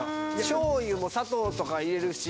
しょうゆも砂糖とか入れるし。